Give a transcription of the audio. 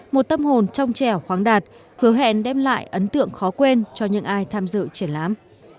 một tâm hồn trong trẻo khoáng đạt hứa hẹn đem lại ấn tượng khó quên cho những ai tham dự triển lãm